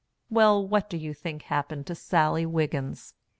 Well, what do you think happened to Sallie Wiggins?